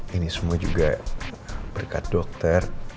ini semua juga berkat dokter